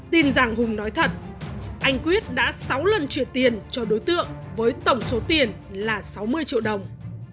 tin rằng hùng nói thật anh quyết đã sáu lần chuyển tiền cho đối tượng với tổng số tiền là sáu mươi triệu đồng